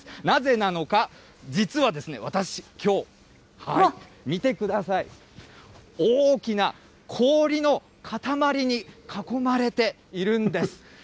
なぜなのか、実はですね、私、きょう、見てください、大きな氷の塊に囲まれているんです。